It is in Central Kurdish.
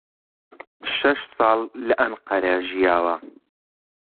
شەش ساڵ لە ئەنقەرە ژیاوە.